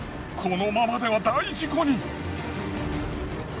このままでは大事故に。